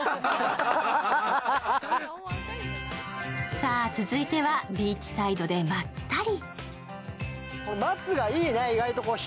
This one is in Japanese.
さあ、続いてはビーチサイドでまったり。